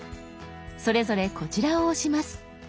それぞれこちらを押します。